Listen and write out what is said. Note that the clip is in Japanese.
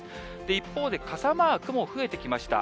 一方で、傘マークも増えてきました。